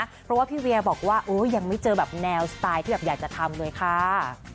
เพราะว่าพี่เวียบอกว่าโอ้ยังไม่เจอแบบแนวสไตล์ที่แบบอยากจะทำเลยค่ะ